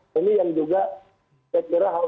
jadi tidak terbayar